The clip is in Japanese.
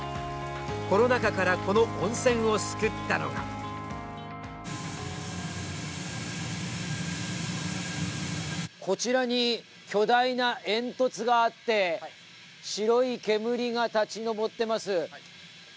コロナ禍からこの温泉を救ったのがこちらに巨大な煙突があって、白い煙が立ち上ってます。